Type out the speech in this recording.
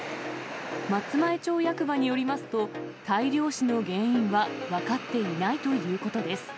松前町役場によりますと、大量死の原因は分かっていないということです。